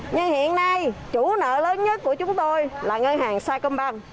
nhưng hiện nay chủ nợ lớn nhất của chúng tôi là ngân hàng sacombank